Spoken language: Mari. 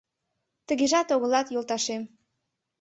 Тыгежат огылат, йолташем